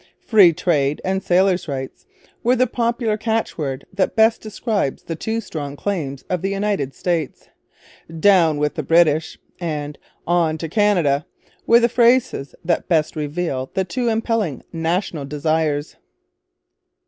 'Free Trade and Sailors' Rights' was the popular catchword that best describes the two strong claims of the United States. 'Down with the British' and 'On to Canada' were the phrases that best reveal the two impelling national desires.